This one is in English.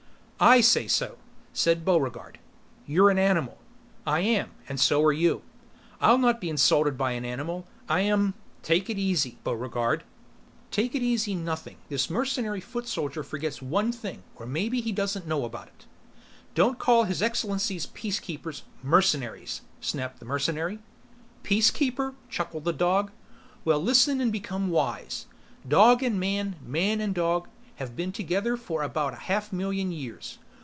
"I say so," said Buregarde. "You're an animal." "I am and so are you." "I'll not be insulted by an animal! I am " "Take it easy, Buregarde." "Take it easy nothing. This mercenary foot soldier forgets one thing or maybe he doesn't know about it." "Don't call His Excellency's Peacekeepers 'mercenaries'!" snapped the mercenary. "Peacekeeper," chuckled the dog. "Well listen and become wise. Dog and man, man and dog, have been together for about a half million years.